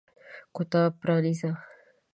کتاب پرانیزه !